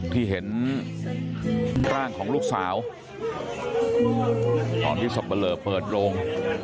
ที่เห็นร่างของลูกสาวตอนที่สับปะเลอเปิดโลง